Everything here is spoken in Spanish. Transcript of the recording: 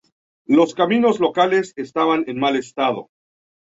Los caminos locales estaban en mal estado.